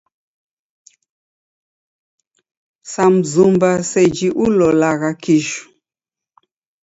Sa mzumba seji ulolagha kiju.